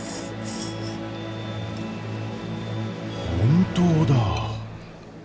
本当だ。